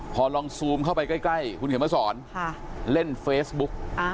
พอลองซูมเข้าไปใกล้คุณเขียนมาสอนเล่นเฟซบุ๊ก